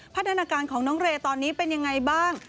พัฒนาการของน้องเรย์ตอนนี้เป็นยังไงบ้าง